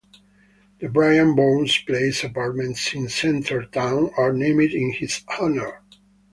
The Brian Bourns Place apartments in Centretown are named in his honour.